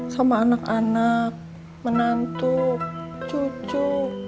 sama anak anak menantu cucu